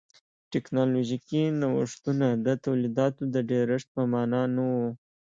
ټکنالوژیکي نوښتونه د تولیداتو د ډېرښت په معنا نه و.